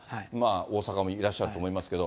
大阪もいらっしゃると思いますけど。